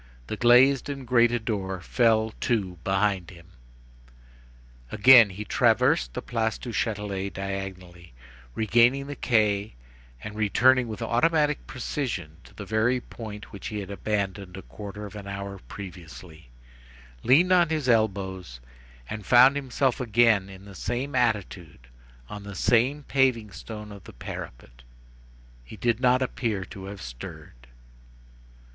The glazed and grated door fell to behind him. Again he traversed the Place du Châtelet diagonally, regained the quay, and returned with automatic precision to the very point which he had abandoned a quarter of an hour previously, leaned on his elbows and found himself again in the same attitude on the same paving stone of the parapet. He did not appear to have stirred.